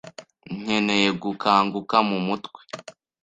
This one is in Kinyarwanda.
Nkeneye gukanguka mu mutwe.